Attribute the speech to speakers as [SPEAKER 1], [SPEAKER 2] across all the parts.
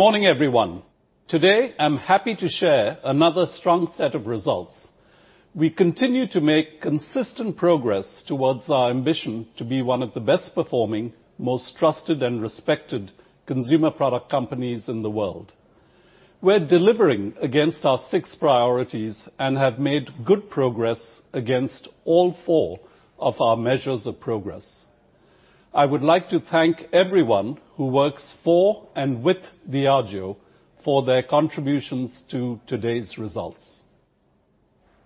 [SPEAKER 1] Morning, everyone. Today, I'm happy to share another strong set of results. We continue to make consistent progress towards our ambition to be one of the best performing, most trusted and respected consumer product companies in the world. We're delivering against our six priorities and have made good progress against all four of our measures of progress. I would like to thank everyone who works for and with Diageo for their contributions to today's results.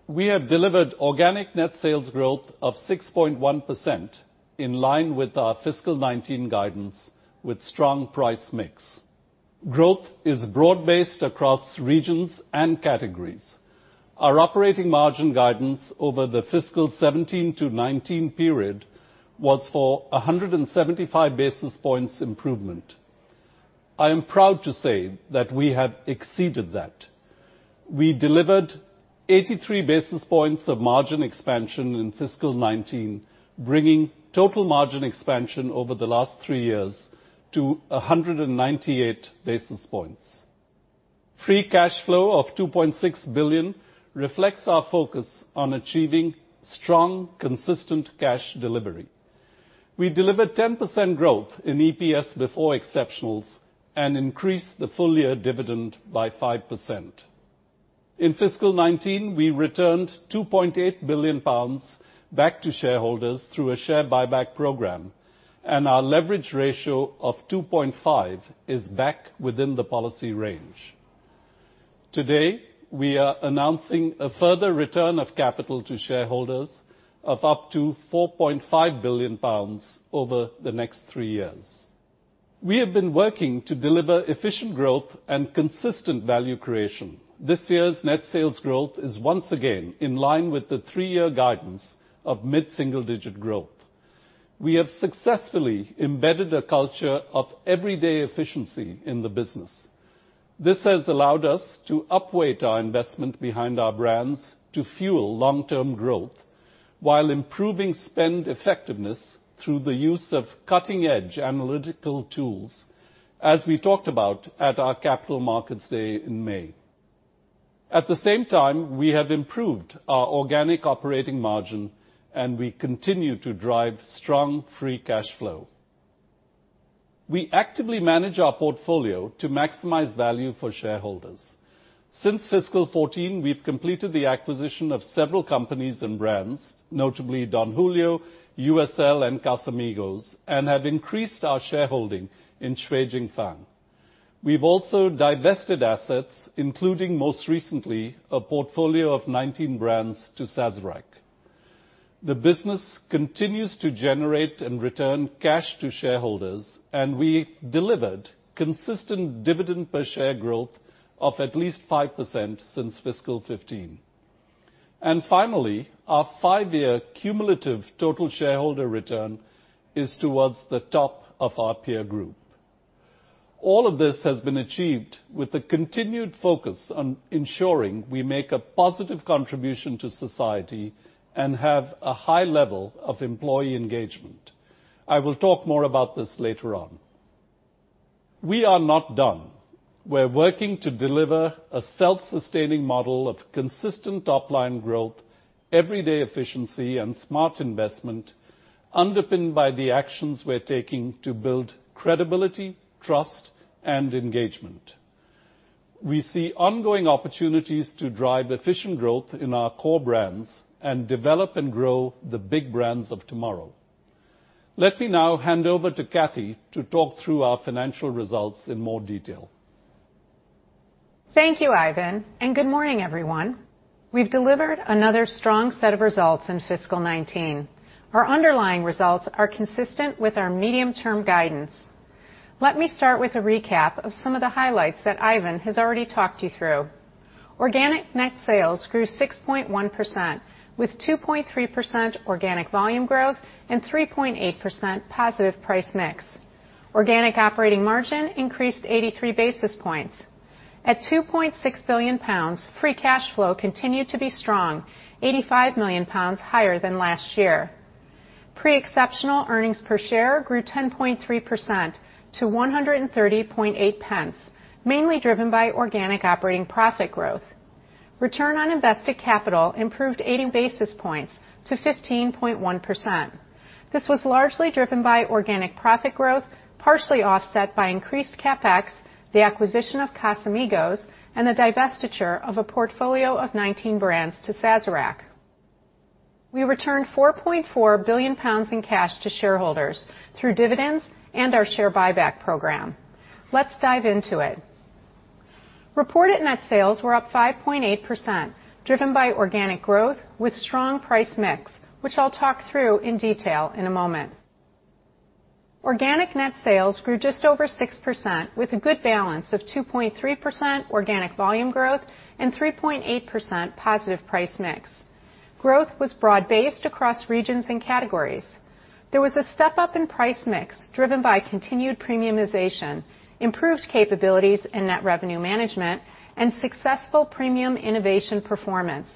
[SPEAKER 1] We have delivered organic net sales growth of 6.1%, in line with our fiscal 19 guidance with strong price mix. Growth is broad-based across regions and categories. Our operating margin guidance over the fiscal 17 to 19 period was for 175 basis points improvement. I am proud to say that we have exceeded that. We delivered 83 basis points of margin expansion in fiscal 2019, bringing total margin expansion over the last three years to 198 basis points. Free cash flow of 2.6 billion reflects our focus on achieving strong, consistent cash delivery. We delivered 10% growth in EPS before exceptionals and increased the full year dividend by 5%. In fiscal 2019, we returned 2.8 billion pounds back to shareholders through a share buyback program, and our leverage ratio of 2.5 is back within the policy range. Today, we are announcing a further return of capital to shareholders of up to 4.5 billion pounds over the next three years. We have been working to deliver efficient growth and consistent value creation. This year's net sales growth is once again in line with the three-year guidance of mid-single digit growth. We have successfully embedded a culture of everyday efficiency in the business. This has allowed us to upweight our investment behind our brands to fuel long-term growth while improving spend effectiveness through the use of cutting-edge analytical tools, as we talked about at our Capital Markets Day in May. At the same time, we have improved our organic operating margin, and we continue to drive strong free cash flow. We actively manage our portfolio to maximize value for shareholders. Since fiscal 2014, we've completed the acquisition of several companies and brands, notably Don Julio, USL, and Casamigos, and have increased our shareholding in Shui Jing Fang. We've also divested assets, including, most recently, a portfolio of 19 brands to Sazerac. The business continues to generate and return cash to shareholders, and we delivered consistent dividend per share growth of at least 5% since fiscal 2015. Finally, our five-year cumulative total shareholder return is towards the top of our peer group. All of this has been achieved with a continued focus on ensuring we make a positive contribution to society and have a high level of employee engagement. I will talk more about this later on. We are not done. We're working to deliver a self-sustaining model of consistent top-line growth, everyday efficiency, and smart investment underpinned by the actions we're taking to build credibility, trust, and engagement. We see ongoing opportunities to drive efficient growth in our core brands and develop and grow the big brands of tomorrow. Let me now hand over to Kathy to talk through our financial results in more detail.
[SPEAKER 2] Thank you, Ivan, and good morning, everyone. We've delivered another strong set of results in fiscal 2019. Our underlying results are consistent with our medium-term guidance. Let me start with a recap of some of the highlights that Ivan has already talked you through. Organic net sales grew 6.1%, with 2.3% organic volume growth and 3.8% positive price mix. Organic operating margin increased 83 basis points. At 2.6 billion pounds, free cash flow continued to be strong, 85 million pounds higher than last year. Pre-exceptional earnings per share grew 10.3% to 1.308, mainly driven by organic operating profit growth. Return on invested capital improved 80 basis points to 15.1%. This was largely driven by organic profit growth, partially offset by increased CapEx, the acquisition of Casamigos, and the divestiture of a portfolio of 19 brands to Sazerac. We returned 4.4 billion pounds in cash to shareholders through dividends and our share buyback program. Let's dive into it. Reported net sales were up 5.8%, driven by organic growth with strong price mix, which I'll talk through in detail in a moment. Organic net sales grew just over 6% with a good balance of 2.3% organic volume growth and 3.8% positive price mix. Growth was broad-based across regions and categories. There was a step-up in price mix driven by continued premiumization, improved capabilities in net revenue management, and successful premium innovation performance.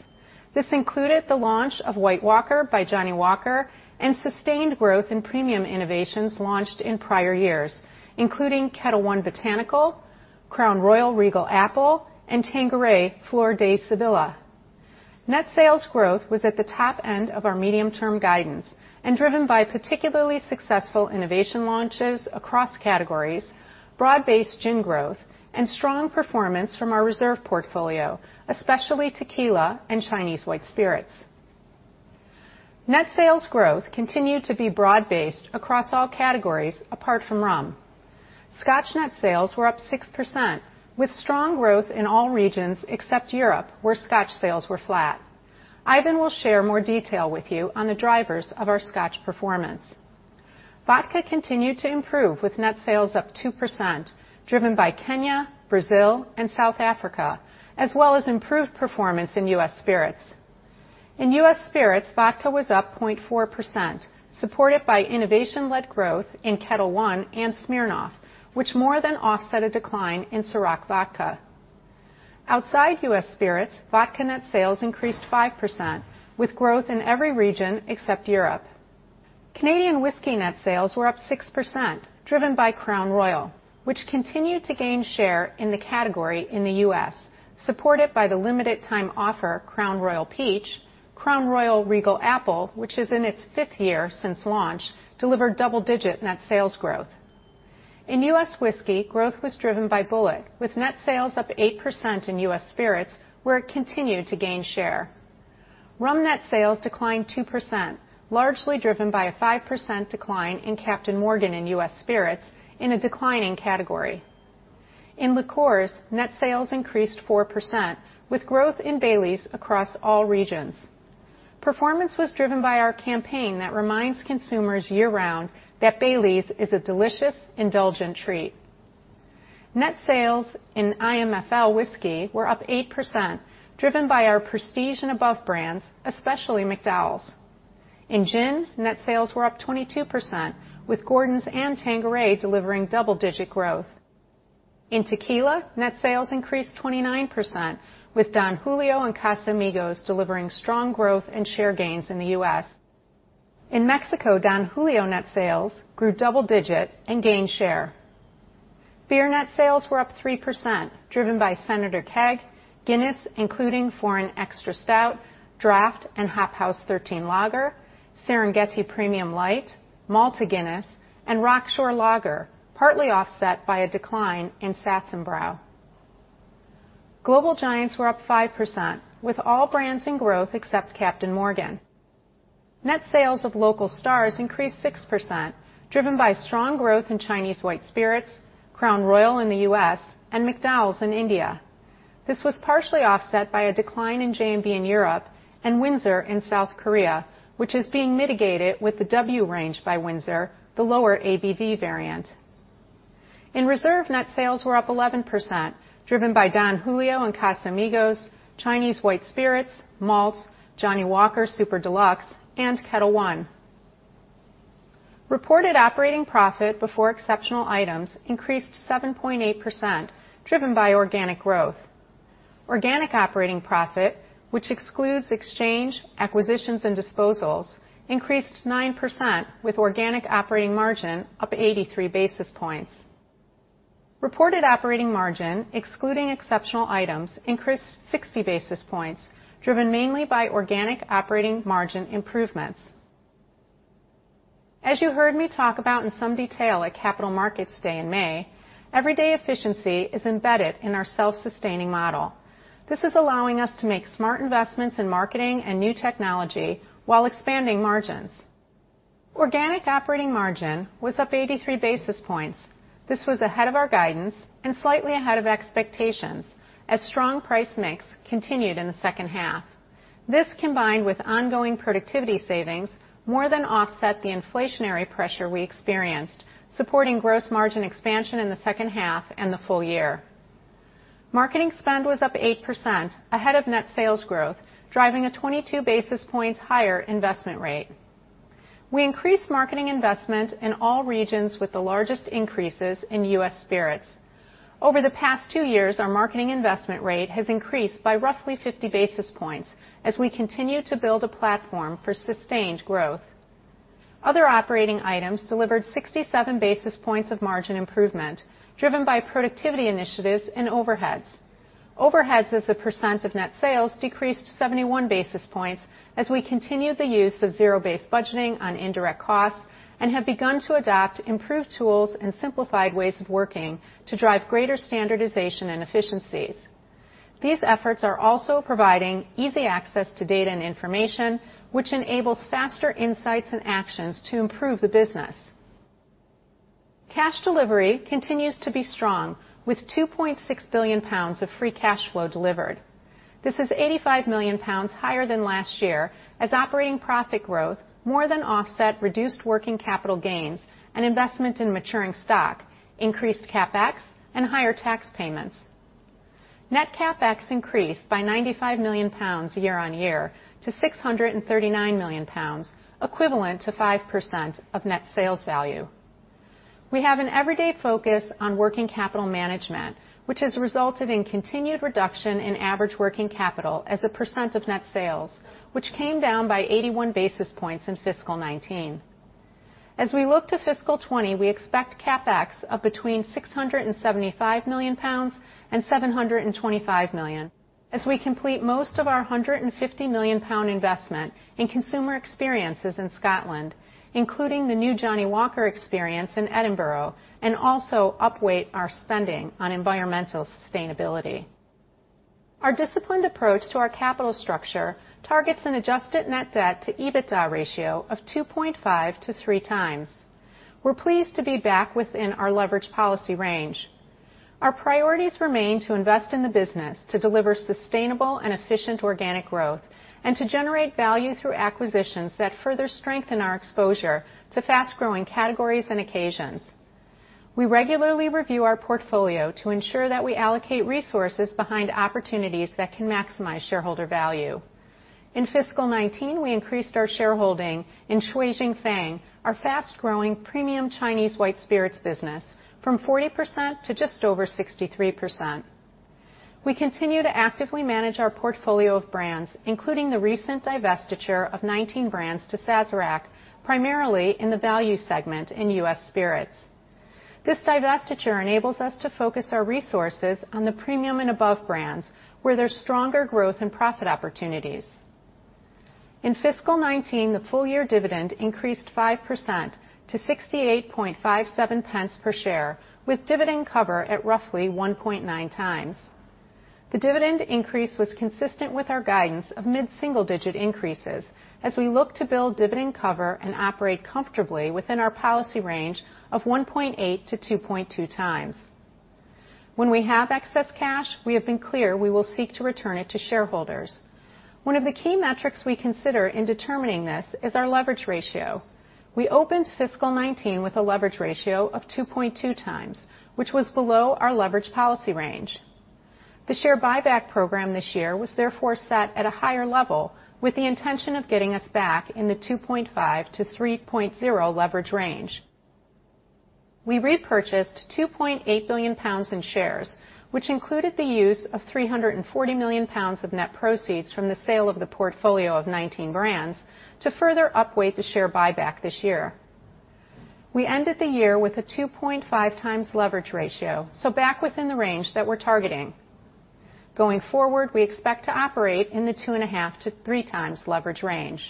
[SPEAKER 2] This included the launch of White Walker by Johnnie Walker, and sustained growth in premium innovations launched in prior years, including Ketel One Botanical, Crown Royal Regal Apple, and Tanqueray Flor de Sevilla. Net sales growth was at the top end of our medium-term guidance and driven by particularly successful innovation launches across categories, broad-based gin growth, and strong performance from our reserve portfolio, especially Tequila and Chinese white spirits. Net sales growth continued to be broad-based across all categories apart from rum. Scotch net sales were up 6%, with strong growth in all regions except Europe, where Scotch sales were flat. Ivan will share more detail with you on the drivers of our Scotch performance. Vodka continued to improve, with net sales up 2%, driven by Kenya, Brazil, and South Africa, as well as improved performance in U.S. spirits. In U.S. spirits, vodka was up 0.4%, supported by innovation-led growth in Ketel One and Smirnoff, which more than offset a decline in CÎROC Vodka. Outside U.S. spirits, vodka net sales increased 5%, with growth in every region except Europe. Canadian whisky net sales were up 6%, driven by Crown Royal, which continued to gain share in the category in the U.S., supported by the limited time offer Crown Royal Peach. Crown Royal Regal Apple, which is in its fifth year since launch, delivered double-digit net sales growth. In U.S. whiskey, growth was driven by Bulleit, with net sales up 8% in U.S. spirits where it continued to gain share. Rum net sales declined 2%, largely driven by a 5% decline in Captain Morgan in U.S. spirits in a declining category. In liqueurs, net sales increased 4%, with growth in Baileys across all regions. Performance was driven by our campaign that reminds consumers year-round that Baileys is a delicious, indulgent treat. Net sales in IMFL whisky were up 8%, driven by our prestige and above brands, especially McDowell's. In gin, net sales were up 22%, with Gordon's and Tanqueray delivering double-digit growth. In Tequila, net sales increased 29%, with Don Julio and Casamigos delivering strong growth and share gains in the U.S. In Mexico, Don Julio net sales grew double digit and gained share. Beer net sales were up 3%, driven by Senator Keg, Guinness, including Foreign Extra Stout, Draught, and Hop House 13 Lager, Serengeti Premium Lite, Malta Guinness, and Rockshore Lager, partly offset by a decline in Satzenbrau. Global Giants were up 5%, with all brands in growth except Captain Morgan. Net sales of local stars increased 6%, driven by strong growth in Chinese white spirits, Crown Royal in the U.S., and McDowell's in India. This was partially offset by a decline in J&B in Europe and Windsor in South Korea, which is being mitigated with the W range by Windsor, the lower ABV variant. In reserve, net sales were up 11%, driven by Don Julio and Casamigos, Chinese white spirits, malts, Johnnie Walker Super Deluxe, and Ketel One. Reported operating profit before exceptional items increased 7.8%, driven by organic growth. Organic operating profit, which excludes exchange, acquisitions, and disposals, increased 9%, with organic operating margin up 83 basis points. Reported operating margin, excluding exceptional items, increased 60 basis points, driven mainly by organic operating margin improvements. As you heard me talk about in some detail at Capital Markets Day in May, everyday efficiency is embedded in our self-sustaining model. This is allowing us to make smart investments in marketing and new technology while expanding margins. Organic operating margin was up 83 basis points. This was ahead of our guidance and slightly ahead of expectations as strong price mix continued in the second half. This, combined with ongoing productivity savings, more than offset the inflationary pressure we experienced, supporting gross margin expansion in the second half and the full year. Marketing spend was up 8%, ahead of net sales growth, driving a 22 basis points higher investment rate. We increased marketing investment in all regions with the largest increases in U.S. spirits. Over the past two years, our marketing investment rate has increased by roughly 50 basis points as we continue to build a platform for sustained growth. Other operating items delivered 67 basis points of margin improvement, driven by productivity initiatives and overheads. Overheads as a % of net sales decreased 71 basis points as we continued the use of zero-based budgeting on indirect costs and have begun to adopt improved tools and simplified ways of working to drive greater standardization and efficiencies. These efforts are also providing easy access to data and information, which enables faster insights and actions to improve the business. Cash delivery continues to be strong, with 2.6 billion pounds of free cash flow delivered. This is 85 million pounds higher than last year as operating profit growth more than offset reduced working capital gains and investment in maturing stock, increased CapEx, and higher tax payments. Net CapEx increased by 95 million pounds year-on-year to 639 million pounds, equivalent to 5% of net sales value. We have an everyday focus on working capital management, which has resulted in continued reduction in average working capital as a % of net sales, which came down by 81 basis points in fiscal 2019. As we look to fiscal 2020, we expect CapEx of between 675 million pounds and 725 million as we complete most of our 150 million pound investment in consumer experiences in Scotland, including the new Johnnie Walker experience in Edinburgh, and also upweight our spending on environmental sustainability. Our disciplined approach to our capital structure targets an adjusted net debt to EBITDA ratio of 2.5 to 3 times. We are pleased to be back within our leverage policy range. Our priorities remain to invest in the business to deliver sustainable and efficient organic growth and to generate value through acquisitions that further strengthen our exposure to fast-growing categories and occasions. We regularly review our portfolio to ensure that we allocate resources behind opportunities that can maximize shareholder value. In fiscal 2019, we increased our shareholding in Shui Jing Fang, our fast-growing premium Chinese white spirits business, from 40% to just over 63%. We continue to actively manage our portfolio of brands, including the recent divestiture of 19 brands to Sazerac, primarily in the value segment in U.S. spirits. This divestiture enables us to focus our resources on the premium and above brands, where there's stronger growth and profit opportunities. In fiscal 2019, the full year dividend increased 5% to 0.6857 per share, with dividend cover at roughly 1.9 times. The dividend increase was consistent with our guidance of mid-single-digit increases as we look to build dividend cover and operate comfortably within our policy range of 1.8 to 2.2 times. When we have excess cash, we have been clear we will seek to return it to shareholders. One of the key metrics we consider in determining this is our leverage ratio. We opened fiscal 2019 with a leverage ratio of 2.2 times, which was below our leverage policy range. The share buyback program this year was therefore set at a higher level, with the intention of getting us back in the 2.5-3.0 leverage range. We repurchased 2.8 billion pounds in shares, which included the use of 340 million pounds of net proceeds from the sale of the portfolio of 19 brands to further upweight the share buyback this year. We ended the year with a 2.5 times leverage ratio, so back within the range that we're targeting. Going forward, we expect to operate in the 2.5-3 times leverage range.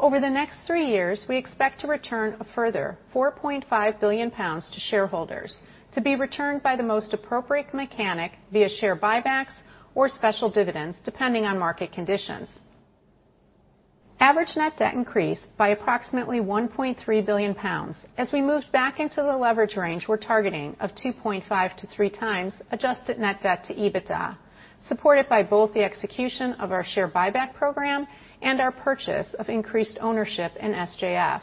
[SPEAKER 2] Over the next 3 years, we expect to return a further 4.5 billion pounds to shareholders, to be returned by the most appropriate mechanic via share buybacks or special dividends, depending on market conditions. Average net debt increased by approximately 1.3 billion pounds as we moved back into the leverage range we're targeting of 2.5-3 times adjusted net debt to EBITDA, supported by both the execution of our share buyback program and our purchase of increased ownership in SJF.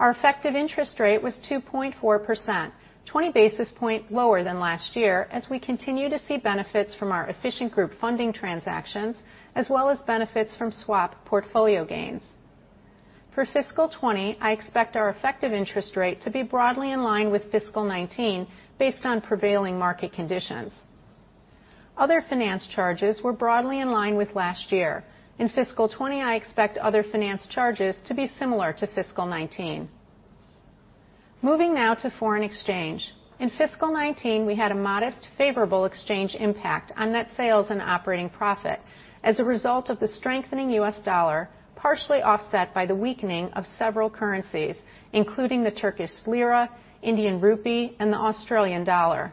[SPEAKER 2] Our effective interest rate was 2.4%, 20 basis points lower than last year as we continue to see benefits from our efficient group funding transactions as well as benefits from swap portfolio gains. For fiscal 2020, I expect our effective interest rate to be broadly in line with fiscal 2019 based on prevailing market conditions. Other finance charges were broadly in line with last year. In fiscal 2020, I expect other finance charges to be similar to fiscal 2019. Moving now to foreign exchange. In fiscal 2019, we had a modest, favorable exchange impact on net sales and operating profit as a result of the strengthening U.S. dollar, partially offset by the weakening of several currencies, including the Turkish lira, Indian rupee, and the Australian dollar.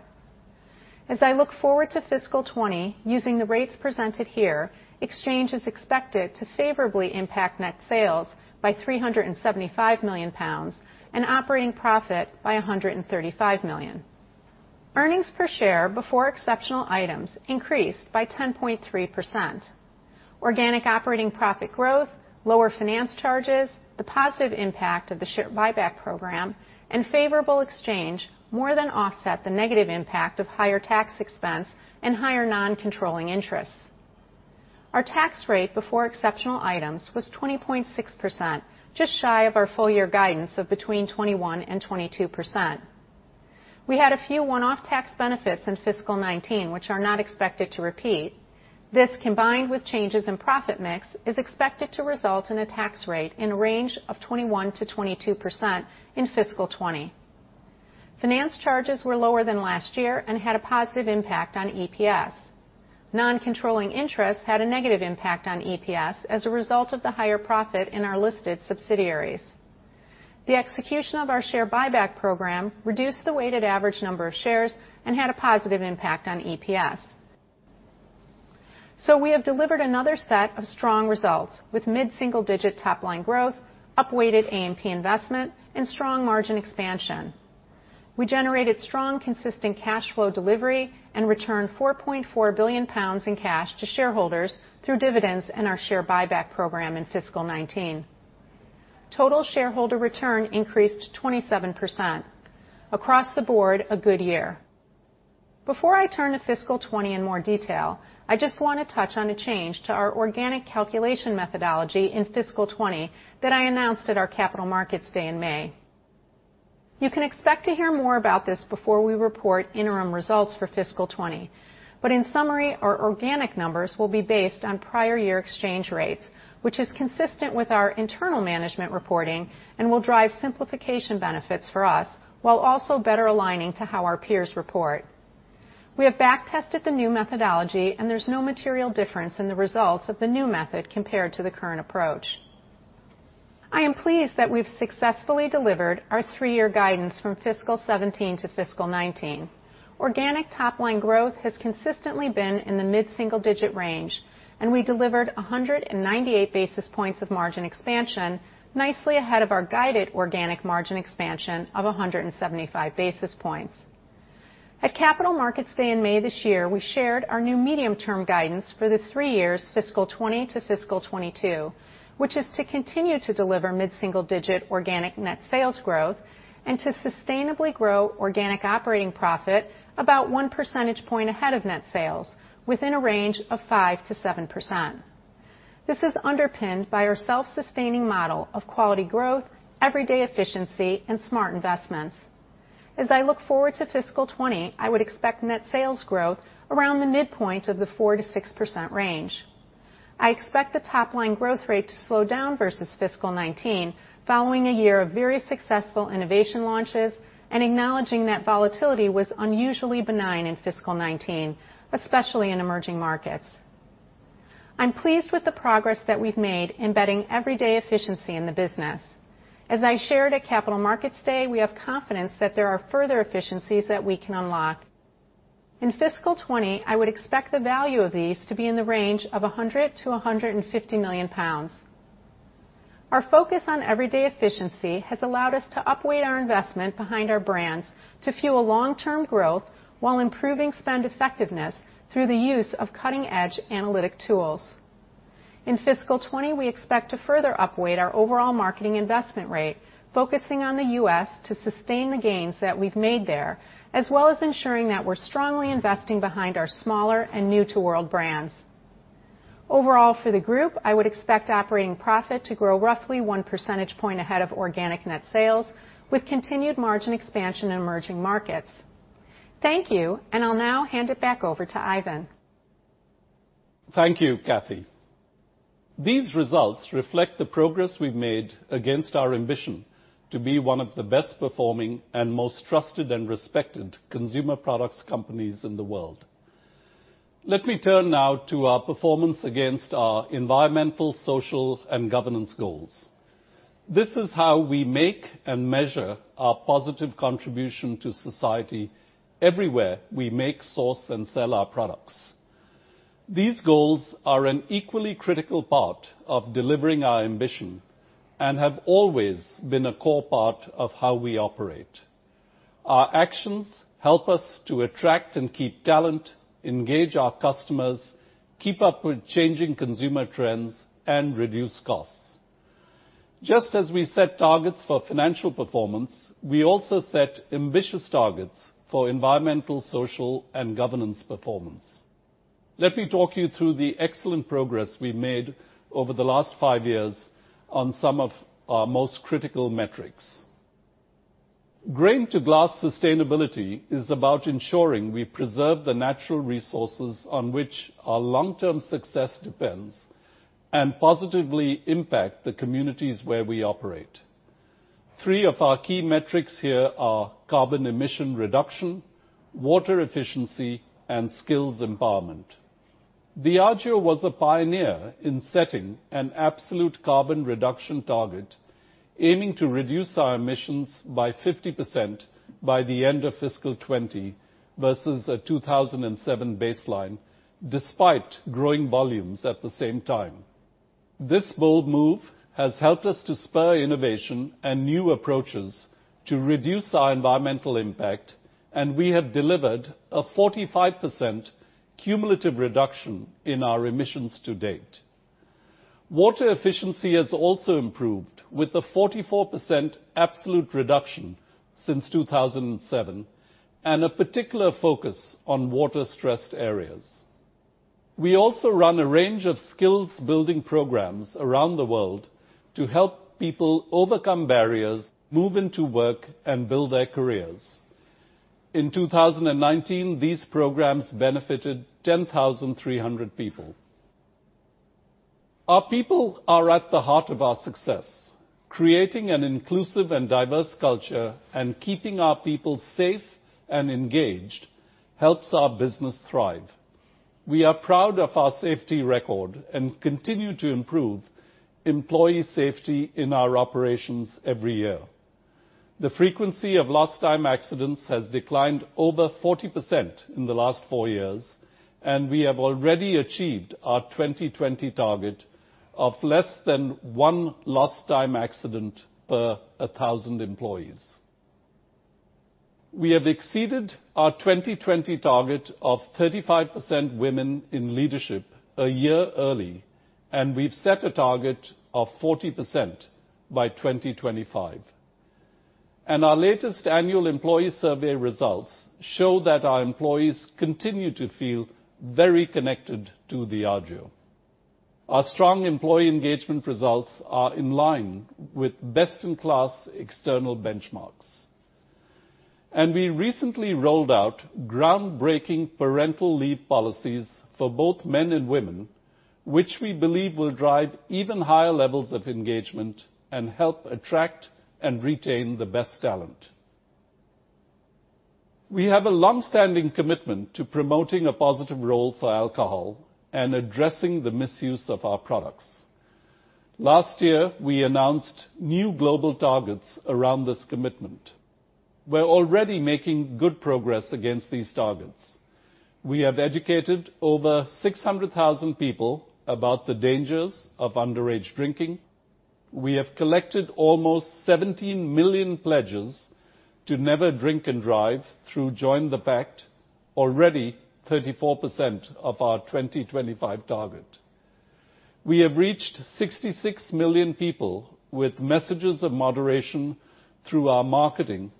[SPEAKER 2] As I look forward to fiscal 2020, using the rates presented here, exchange is expected to favorably impact net sales by 375 million pounds and operating profit by 135 million. Earnings per share before exceptional items increased by 10.3%. Organic operating profit growth, lower finance charges, the positive impact of the share buyback program, and favorable exchange more than offset the negative impact of higher tax expense and higher non-controlling interests. Our tax rate before exceptional items was 20.6%, just shy of our full year guidance of between 21% and 22%. We had a few one-off tax benefits in fiscal 2019, which are not expected to repeat. This, combined with changes in profit mix, is expected to result in a tax rate in range of 21% to 22% in fiscal 2020. Finance charges were lower than last year and had a positive impact on EPS. Non-controlling interests had a negative impact on EPS as a result of the higher profit in our listed subsidiaries. The execution of our share buyback program reduced the weighted average number of shares and had a positive impact on EPS. We have delivered another set of strong results, with mid-single-digit top-line growth, upweighted AMP investment, and strong margin expansion. We generated strong, consistent cash flow delivery and returned 4.4 billion pounds in cash to shareholders through dividends and our share buyback program in fiscal 2019. Total shareholder return increased 27%. Across the board, a good year. Before I turn to fiscal 2020 in more detail, I just want to touch on a change to our organic calculation methodology in fiscal 2020 that I announced at our Capital Markets Day in May. You can expect to hear more about this before we report interim results for fiscal 2020. In summary, our organic numbers will be based on prior year exchange rates, which is consistent with our internal management reporting and will drive simplification benefits for us while also better aligning to how our peers report. We have back-tested the new methodology, and there's no material difference in the results of the new method compared to the current approach. I am pleased that we've successfully delivered our three-year guidance from fiscal 2017 to fiscal 2019. Organic top-line growth has consistently been in the mid-single digit range, and we delivered 198 basis points of margin expansion, nicely ahead of our guided organic margin expansion of 175 basis points. At Capital Markets Day in May this year, we shared our new medium-term guidance for the three years fiscal 2020 to fiscal 2022, which is to continue to deliver mid-single digit organic net sales growth and to sustainably grow organic operating profit about one percentage point ahead of net sales, within a range of 5%-7%. This is underpinned by our self-sustaining model of quality growth, everyday efficiency, and smart investments. As I look forward to fiscal 2020, I would expect net sales growth around the midpoint of the 4%-6% range. I expect the top-line growth rate to slow down versus fiscal 2019 following a year of very successful innovation launches and acknowledging that volatility was unusually benign in fiscal 2019, especially in emerging markets. I'm pleased with the progress that we've made embedding everyday efficiency in the business. As I shared at Capital Markets Day, we have confidence that there are further efficiencies that we can unlock. In fiscal 2020, I would expect the value of these to be in the range of 100 million-150 million pounds. Our focus on everyday efficiency has allowed us to upweight our investment behind our brands to fuel long-term growth while improving spend effectiveness through the use of cutting-edge analytic tools. In FY 2020, we expect to further upweight our overall marketing investment rate, focusing on the U.S. to sustain the gains that we've made there, as well as ensuring that we're strongly investing behind our smaller and new-to-world brands. Overall, for the group, I would expect operating profit to grow roughly one percentage point ahead of organic net sales, with continued margin expansion in emerging markets. Thank you. I'll now hand it back over to Ivan.
[SPEAKER 1] Thank you, Kathy. These results reflect the progress we've made against our ambition to be one of the best performing and most trusted and respected consumer products companies in the world. Let me turn now to our performance against our environmental, social, and governance goals. This is how we make and measure our positive contribution to society everywhere we make, source, and sell our products. These goals are an equally critical part of delivering our ambition and have always been a core part of how we operate. Our actions help us to attract and keep talent, engage our customers, keep up with changing consumer trends, and reduce costs. Just as we set targets for financial performance, we also set ambitious targets for environmental, social, and governance performance. Let me talk you through the excellent progress we've made over the last five years on some of our most critical metrics. Grain to Glass Sustainability is about ensuring we preserve the natural resources on which our long-term success depends and positively impact the communities where we operate. Three of our key metrics here are carbon emission reduction, water efficiency, and skills empowerment. Diageo was a pioneer in setting an absolute carbon reduction target, aiming to reduce our emissions by 50% by the end of fiscal 2020 versus a 2007 baseline, despite growing volumes at the same time. This bold move has helped us to spur innovation and new approaches to reduce our environmental impact, and we have delivered a 45% cumulative reduction in our emissions to date. Water efficiency has also improved with a 44% absolute reduction since 2007 and a particular focus on water-stressed areas. We also run a range of skills building programs around the world to help people overcome barriers, move into work, and build their careers. In 2019, these programs benefited 10,300 people. Our people are at the heart of our success. Creating an inclusive and diverse culture and keeping our people safe and engaged helps our business thrive. We are proud of our safety record and continue to improve employee safety in our operations every year. The frequency of lost time accidents has declined over 40% in the last four years, and we have already achieved our 2020 target of less than one lost time accident per 1,000 employees. We have exceeded our 2020 target of 35% women in leadership a year early, and we've set a target of 40% by 2025. Our latest annual employee survey results show that our employees continue to feel very connected to Diageo. Our strong employee engagement results are in line with best-in-class external benchmarks. We recently rolled out groundbreaking parental leave policies for both men and women, which we believe will drive even higher levels of engagement and help attract and retain the best talent. We have a longstanding commitment to promoting a positive role for alcohol and addressing the misuse of our products. Last year, we announced new global targets around this commitment. We're already making good progress against these targets. We have educated over 600,000 people about the dangers of underage drinking. We have collected almost 17 million pledges to never drink and drive through Join the Pact, already 34% of our 2025 target. We have reached 66 million people with messages of moderation through our marketing,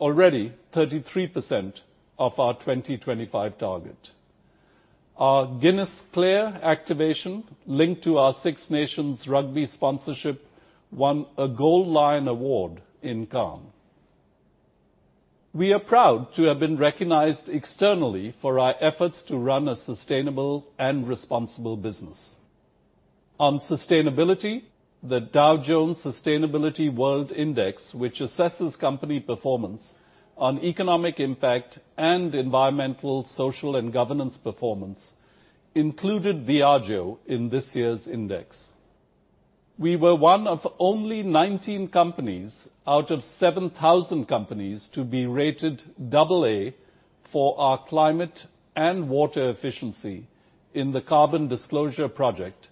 [SPEAKER 1] already 33% of our 2025 target. Our Guinness Clear activation linked to our Six Nations Rugby sponsorship won a Gold Lion award in Cannes. We are proud to have been recognized externally for our efforts to run a sustainable and responsible business. On sustainability, the Dow Jones Sustainability World Index, which assesses company performance on economic impact and environmental, social, and governance performance, included Diageo in this year's index. We were one of only 19 companies out of 7,000 companies to be rated double A for our climate and water efficiency in the Carbon Disclosure Project,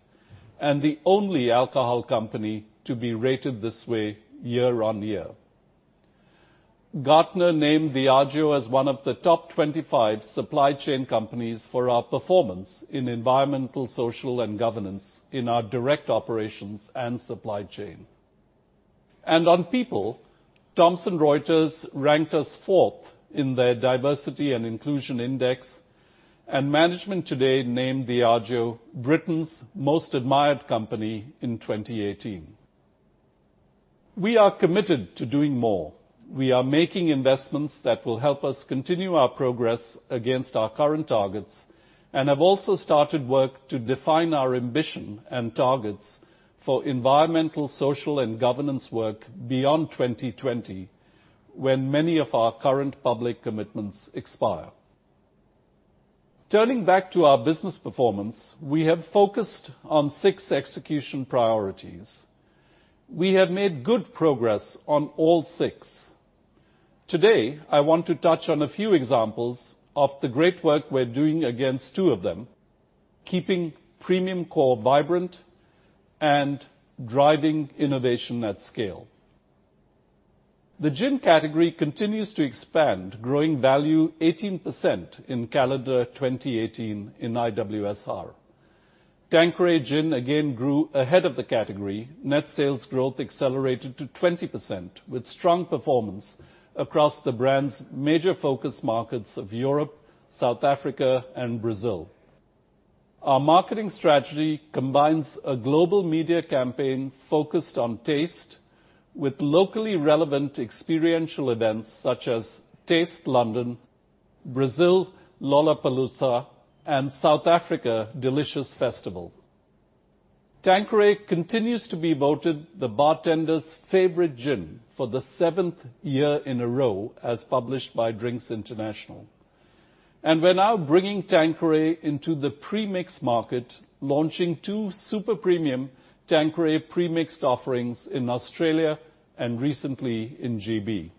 [SPEAKER 1] and the only alcohol company to be rated this way year on year. Gartner named Diageo as one of the top 25 supply chain companies for our performance in environmental, social, and governance in our direct operations and supply chain. On people, Thomson Reuters ranked us fourth in their Diversity & Inclusion Index, and Management Today named Diageo Britain's Most Admired Company in 2018. We are committed to doing more. We are making investments that will help us continue our progress against our current targets and have also started work to define our ambition and targets for environmental, social, and governance work beyond 2020, when many of our current public commitments expire. Turning back to our business performance, we have focused on six execution priorities. We have made good progress on all six. Today, I want to touch on a few examples of the great work we're doing against two of them, keeping premium core vibrant and driving innovation at scale. The gin category continues to expand, growing value 18% in calendar 2018 in IWSR. Tanqueray gin again grew ahead of the category. Net sales growth accelerated to 20%, with strong performance across the brand's major focus markets of Europe, South Africa, and Brazil. Our marketing strategy combines a global media campaign focused on taste with locally relevant experiential events, such as Taste of London, Lollapalooza Brazil, and Delicious Festival. Tanqueray continues to be voted the bartender's favorite gin for the seventh year in a row, as published by Drinks International. We're now bringing Tanqueray into the pre-mix market, launching two super premium Tanqueray pre-mixed offerings in Australia and recently in GB.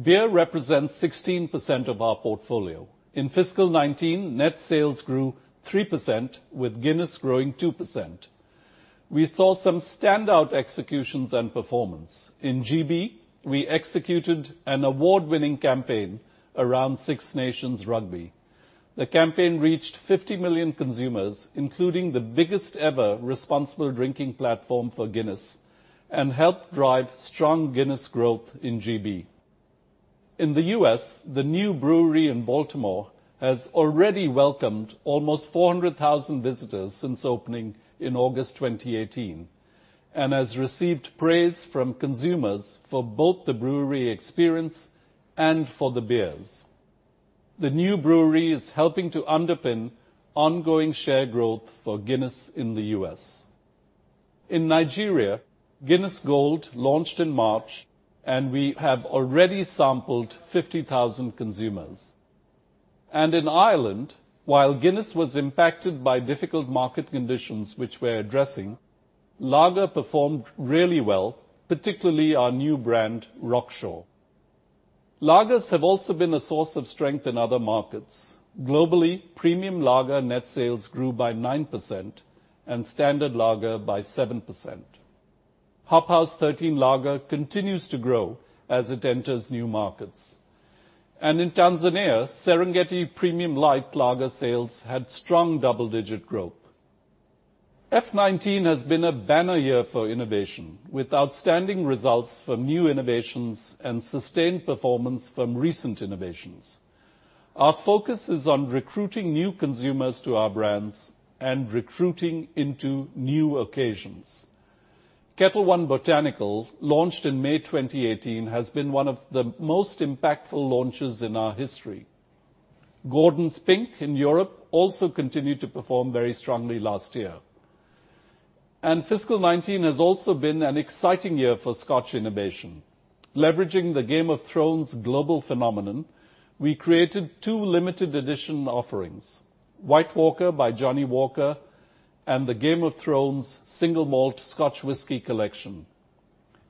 [SPEAKER 1] Beer represents 16% of our portfolio. In FY 2019, net sales grew 3%, with Guinness growing 2%. We saw some standout executions and performance. In GB, we executed an award-winning campaign around Six Nations rugby. The campaign reached 50 million consumers, including the biggest ever responsible drinking platform for Guinness, and helped drive strong Guinness growth in GB. In the U.S., the new brewery in Baltimore has already welcomed almost 400,000 visitors since opening in August 2018 and has received praise from consumers for both the brewery experience and for the beers. The new brewery is helping to underpin ongoing share growth for Guinness in the U.S. In Nigeria, Guinness Gold launched in March, and we have already sampled 50,000 consumers. In Ireland, while Guinness was impacted by difficult market conditions which we're addressing, lager performed really well, particularly our new brand, Rockshore. Lagers have also been a source of strength in other markets. Globally, premium lager net sales grew by 9% and standard lager by 7%. Hop House 13 Lager continues to grow as it enters new markets. In Tanzania, Serengeti Premium Lite lager sales had strong double-digit growth. FY 2019 has been a banner year for innovation, with outstanding results for new innovations and sustained performance from recent innovations. Our focus is on recruiting new consumers to our brands and recruiting into new occasions. Ketel One Botanical, launched in May 2018, has been one of the most impactful launches in our history. Gordon's Pink in Europe also continued to perform very strongly last year. Fiscal 2019 has also been an exciting year for Scotch innovation. Leveraging the "Game of Thrones" global phenomenon, we created two limited edition offerings, White Walker by Johnnie Walker and the "Game of Thrones" Single Malt Scotch Whisky Collection.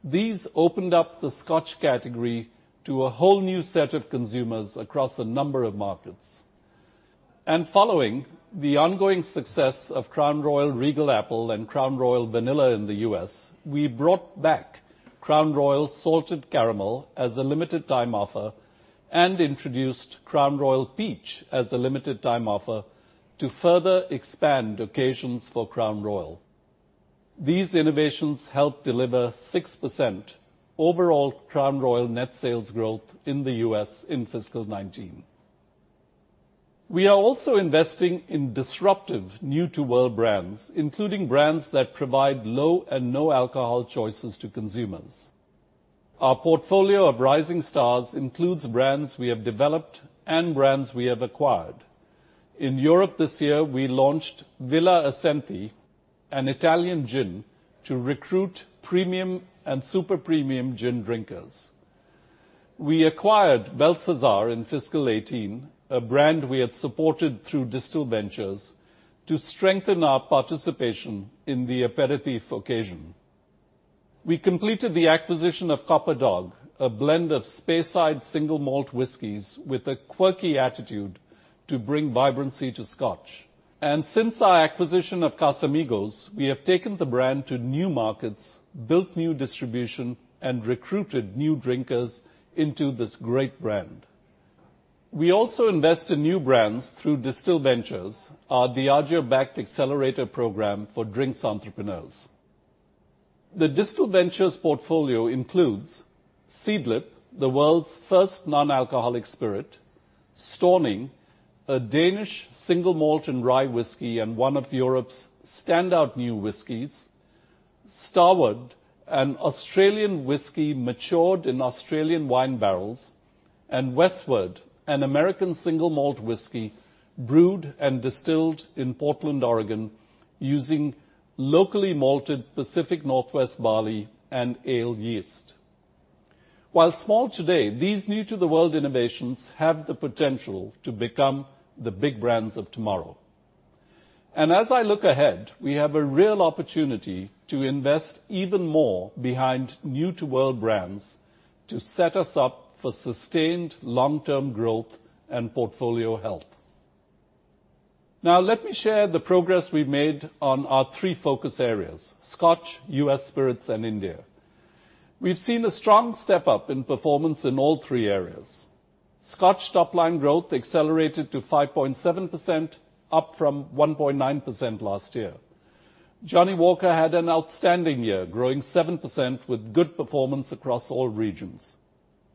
[SPEAKER 1] These opened up the Scotch category to a whole new set of consumers across a number of markets. Following the ongoing success of Crown Royal Regal Apple and Crown Royal Vanilla in the U.S., we brought back Crown Royal Salted Caramel as a limited time offer and introduced Crown Royal Peach as a limited time offer to further expand occasions for Crown Royal. These innovations helped deliver 6% overall Crown Royal net sales growth in the U.S. in fiscal 2019. We are also investing in disruptive new-to-world brands, including brands that provide low and no alcohol choices to consumers. Our portfolio of rising stars includes brands we have developed and brands we have acquired. In Europe this year, we launched Villa Ascenti, an Italian gin, to recruit premium and super premium gin drinkers. We acquired Belsazar in fiscal 2018, a brand we had supported through Distill Ventures, to strengthen our participation in the aperitif occasion. We completed the acquisition of Copper Dog, a blend of Speyside single malt whiskies with a quirky attitude to bring vibrancy to Scotch. Since our acquisition of Casamigos, we have taken the brand to new markets, built new distribution, and recruited new drinkers into this great brand. We also invest in new brands through Distill Ventures, our Diageo-backed accelerator program for drinks entrepreneurs. The Distill Ventures portfolio includes Seedlip, the world's first non-alcoholic spirit, Stauning, a Danish single malt and rye whiskey and one of Europe's standout new whiskies, Starward, an Australian whiskey matured in Australian wine barrels, and Westward, an American single malt whiskey brewed and distilled in Portland, Oregon, using locally malted Pacific Northwest barley and ale yeast. While small today, these new to the world innovations have the potential to become the big brands of tomorrow. As I look ahead, we have a real opportunity to invest even more behind new to world brands to set us up for sustained long-term growth and portfolio health. Now, let me share the progress we've made on our three focus areas, Scotch, U.S. Spirits, and India. We've seen a strong step up in performance in all three areas. Scotch top-line growth accelerated to 5.7%, up from 1.9% last year. Johnnie Walker had an outstanding year, growing 7% with good performance across all regions.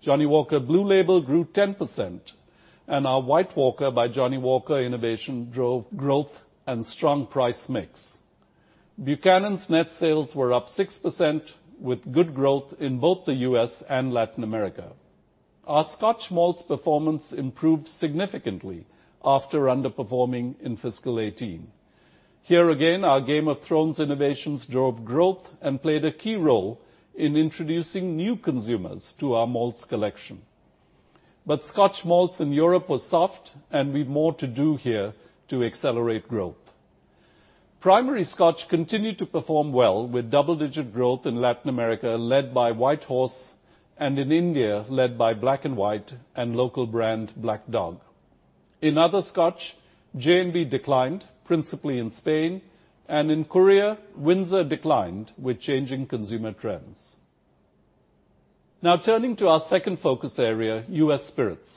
[SPEAKER 1] Johnnie Walker Blue Label grew 10%, and our White Walker by Johnnie Walker innovation drove growth and strong price mix. Buchanan's net sales were up 6% with good growth in both the U.S. and Latin America. Our Scotch malts performance improved significantly after underperforming in fiscal 2018. Here again, our "Game of Thrones" innovations drove growth and played a key role in introducing new consumers to our malts collection. Scotch malts in Europe were soft, and we've more to do here to accelerate growth. Primary Scotch continued to perform well with double-digit growth in Latin America, led by White Horse, and in India, led by Black & White and local brand Black Dog. In other Scotch, J&B declined, principally in Spain, and in Korea, Windsor declined with changing consumer trends. Turning to our second focus area, U.S. Spirits.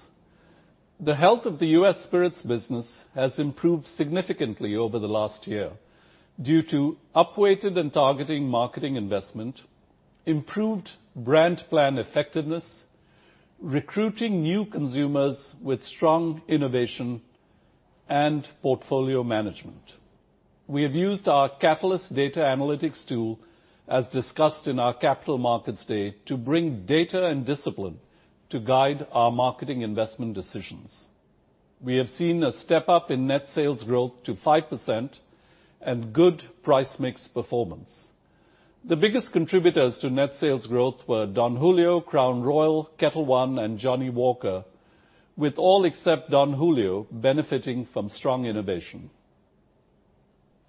[SPEAKER 1] The health of the U.S. Spirits business has improved significantly over the last year due to up-weighted and targeting marketing investment, improved brand plan effectiveness, recruiting new consumers with strong innovation, and portfolio management. We have used our Catalyst data analytics tool, as discussed in our Capital Markets Day, to bring data and discipline to guide our marketing investment decisions. We have seen a step up in net sales growth to 5% and good price mix performance. The biggest contributors to net sales growth were Don Julio, Crown Royal, Ketel One, and Johnnie Walker, with all except Don Julio benefiting from strong innovation.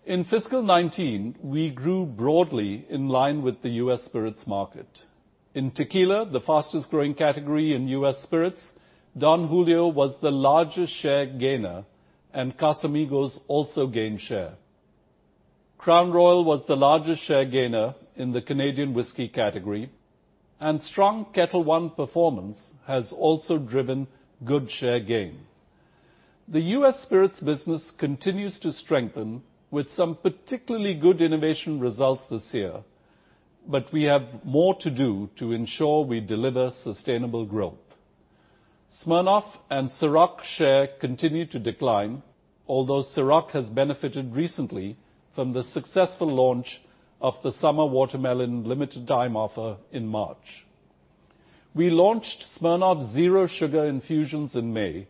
[SPEAKER 1] In fiscal 2019, we grew broadly in line with the U.S. Spirits market. In tequila, the fastest-growing category in U.S. Spirits, Don Julio was the largest share gainer, and Casamigos also gained share. Crown Royal was the largest share gainer in the Canadian whiskey category. Strong Ketel One performance has also driven good share gain. The U.S. Spirits business continues to strengthen with some particularly good innovation results this year, but we have more to do to ensure we deliver sustainable growth. Smirnoff and CÎROC share continue to decline, although CÎROC has benefited recently from the successful launch of the summer watermelon limited time offer in March. We launched Smirnoff Zero Sugar Infusions in May.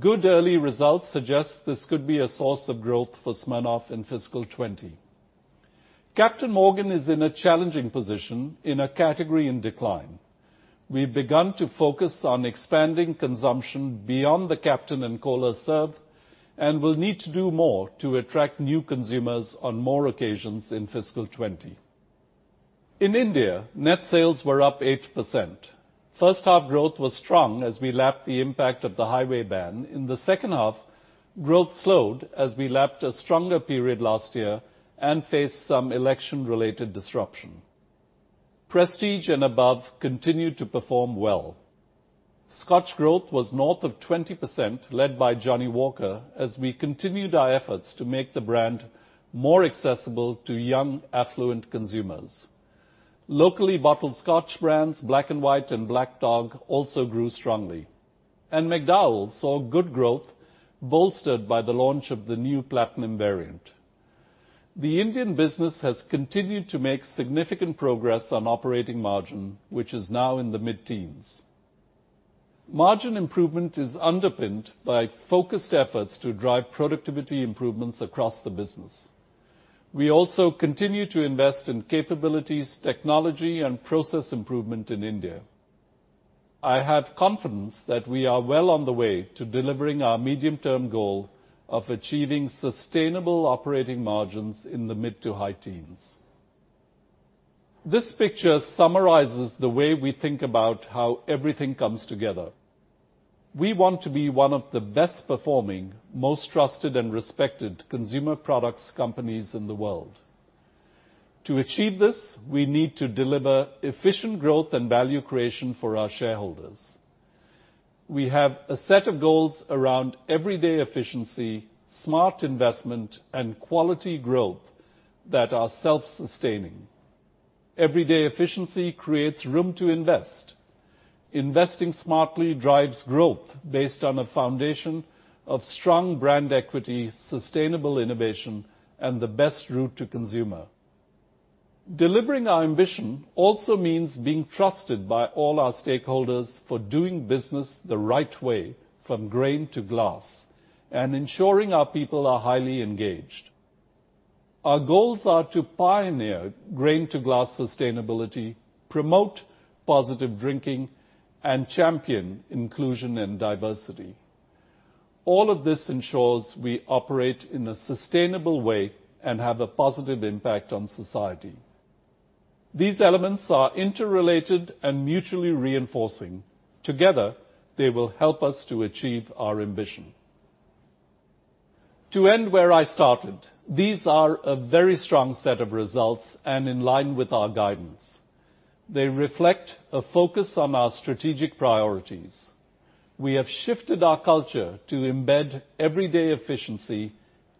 [SPEAKER 1] Good early results suggest this could be a source of growth for Smirnoff in fiscal 2020. Captain Morgan is in a challenging position in a category in decline. We've begun to focus on expanding consumption beyond the Captain and Cola serve, and will need to do more to attract new consumers on more occasions in fiscal 2020. In India, net sales were up 8%. First half growth was strong as we lapped the impact of the highway ban. In the second half, growth slowed as we lapped a stronger period last year and faced some election-related disruption. Prestige and above continued to perform well. Scotch growth was north of 20%, led by Johnnie Walker, as we continued our efforts to make the brand more accessible to young, affluent consumers. Locally bottled Scotch brands, Black & White and Black Dog, also grew strongly. McDowell's saw good growth, bolstered by the launch of the new Platinum variant. The Indian business has continued to make significant progress on operating margin, which is now in the mid-teens. Margin improvement is underpinned by focused efforts to drive productivity improvements across the business. We also continue to invest in capabilities, technology, and process improvement in India. I have confidence that we are well on the way to delivering our medium-term goal of achieving sustainable operating margins in the mid to high teens. This picture summarizes the way we think about how everything comes together. We want to be one of the best performing, most trusted and respected consumer products companies in the world. To achieve this, we need to deliver efficient growth and value creation for our shareholders. We have a set of goals around everyday efficiency, smart investment, and quality growth that are self-sustaining. Everyday efficiency creates room to invest. Investing smartly drives growth based on a foundation of strong brand equity, sustainable innovation, and the best route to consumer. Delivering our ambition also means being trusted by all our stakeholders for doing business the right way from grain to glass, and ensuring our people are highly engaged. Our goals are to pioneer grain-to-glass sustainability, promote positive drinking, and champion inclusion and diversity. All of this ensures we operate in a sustainable way and have a positive impact on society. These elements are interrelated and mutually reinforcing. Together, they will help us to achieve our ambition. To end where I started, these are a very strong set of results and in line with our guidance. They reflect a focus on our strategic priorities. We have shifted our culture to embed everyday efficiency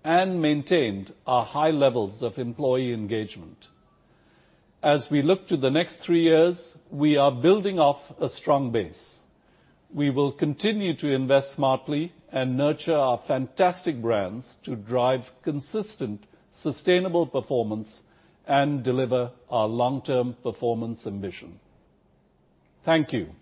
[SPEAKER 1] and maintained our high levels of employee engagement. As we look to the next three years, we are building off a strong base. We will continue to invest smartly and nurture our fantastic brands to drive consistent, sustainable performance and deliver our long-term performance ambition. Thank you.